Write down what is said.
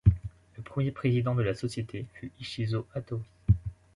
Le premier président de la société fut Ichizō Hattori.